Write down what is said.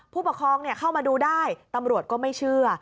ผู้ปกครองเข้ามาดูได้ตำรวจก็ไม่เชื่อ